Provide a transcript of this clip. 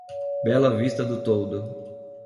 Bela Vista do Toldo